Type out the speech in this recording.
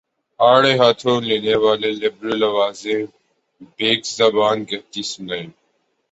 آڑے ہاتھوں لینے والی لبرل آوازیں بیک زبان کہتی سنائی